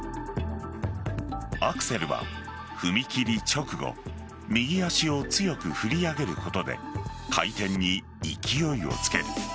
アクセルは踏み切り直後右足を強く振り上げることで回転に勢いをつける。